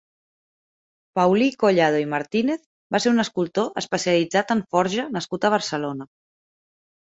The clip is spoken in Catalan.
Paulí Collado i Martínez va ser un escultor especialitzat en forja nascut a Barcelona.